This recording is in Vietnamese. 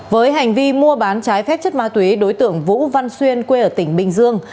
với hành vi mua bán trái phép chất ma túy đối tượng vũ văn xuyên quê ở tỉnh bình dương